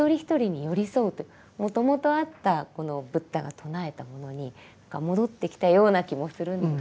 もともとあったこのブッダが唱えたものに戻ってきたような気もするんですが。